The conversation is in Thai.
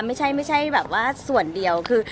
ไม่ใช่แบบว่าส่วนเดียวคือ